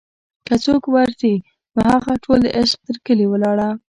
که څوک ور ځي نوهغه ټول دعشق تر کلي ولاړه